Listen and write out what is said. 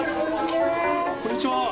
こんにちは。